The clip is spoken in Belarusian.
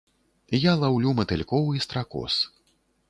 Я лаўлю матылькоў і стракоз.